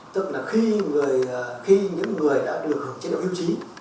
tức là khi những người đã được hưởng chế độ hưu trí